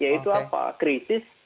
jadi itu adalah krisis